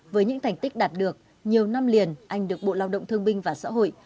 với những thành tích đạt được nhiều năm liền anh được bộ lao động thương binh và xã hội